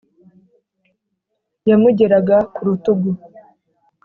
yamugeraga ku rutugu